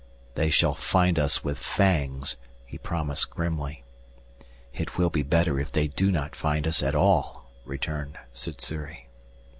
"They shall find us with fangs," he promised grimly. "It will be better if they do not find us at all," returned Sssuri.